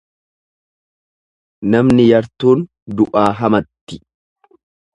Namni yartuun du'aa hamatti.